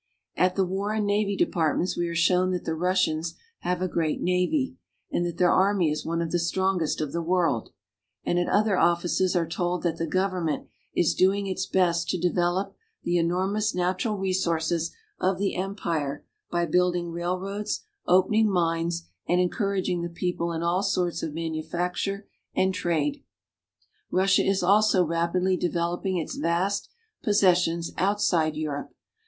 At the War and Navy Departments we are shown that the Russians have a great navy, and that their army is one of the strongest of the world ; and at other offices are told that the government is doing its best to develop the enor mous natural resources of the empire by building railroads, opening mines, and encouraging the people in all sorts of manufacture and trade. Russia is also rapidly developing its vast possessions outside Europe.